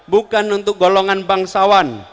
bukan untuk golongan bangsawan